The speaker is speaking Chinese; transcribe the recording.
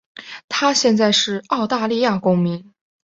她现在是澳大利亚公民。